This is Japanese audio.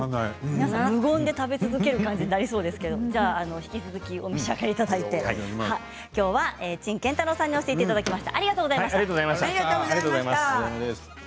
皆さん無言で食べ続ける感じになりそうですけど引き続きお召し上がりいただいてきょうは陳建太郎さんに教えていただきました。